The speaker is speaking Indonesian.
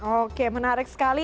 oke menarik sekali